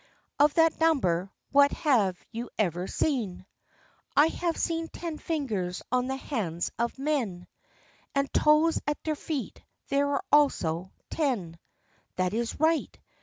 Of that number, what have you ever seen?" "I have seen ten fingers on the hands of men; And of toes at their feet, there are also ten" "That is right.